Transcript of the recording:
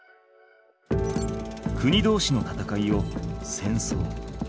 国同士の戦いを戦争